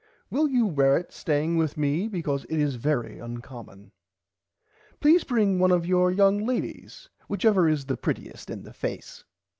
Will you wear it staying with me because it is very uncommon. Please bring one of your young ladies whichever is the prettiest in the face.